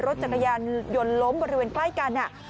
รถจังหยานหย่นล้มบริเวณใกล้กันน่ะ